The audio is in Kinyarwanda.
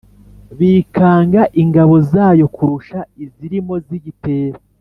bikangaga ingabo zayo kurusha izirimo ziyitera.